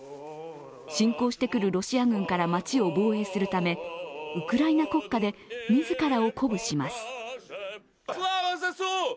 侵攻してくるロシア軍から町を防衛するためウクライナ国歌で自らを鼓舞します。